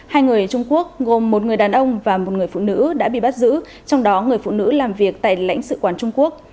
hai người trung quốc gồm một người đàn ông và một người phụ nữ đã bị bắt giữ trong đó người phụ nữ làm việc tại lãnh sự quán trung quốc